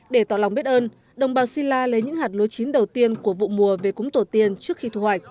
để tỏ lòng biết ơn đồng bào si la lấy những hạt lúa chín đầu tiên của vụ mùa về cúng tổ tiên trước khi thu hoạch